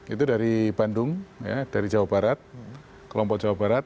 itu dari bandung dari jawa barat kelompok jawa barat